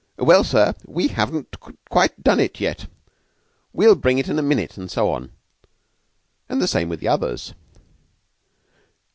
'Well, sir, we haven't quite done it yet.' 'We'll bring it in a minute,' and so on. And the same with the others."